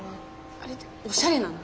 あれっておしゃれなの？